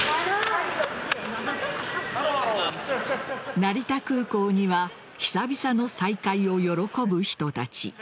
成田空港には久々の再会を喜ぶ人たち。